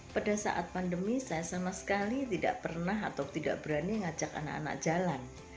pada saat pandemi saya sama sekali tidak pernah atau tidak berani ngajak anak anak jalan